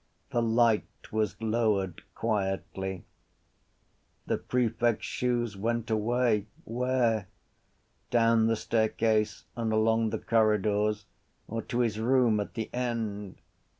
The light was lowered quietly. The prefect’s shoes went away. Where? Down the staircase and along the corridors or to his room at the end?